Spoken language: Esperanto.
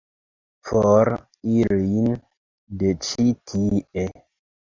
For ilin de ĉi tie!